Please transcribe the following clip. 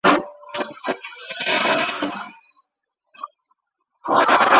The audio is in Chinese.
你作为天下名士必须有坚定的信念！